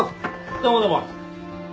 どうもどうも。